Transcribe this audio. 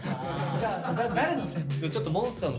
じゃあ誰のせいなの？